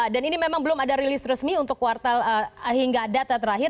dan ini memang belum ada rilis resmi untuk kuartal hingga data terakhir